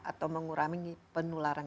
atau mengurangi penularan